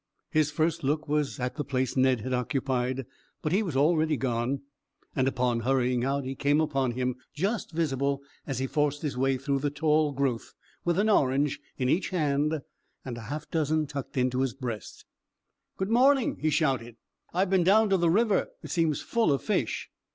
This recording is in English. His first look was at the place Ned had occupied; but he was already gone, and upon hurrying out he came upon him just visible as he forced his way through the tall growth with an orange in each hand and half a dozen tucked into his breast. "Morning," he shouted. "I've been down to the river. It seems full of fish."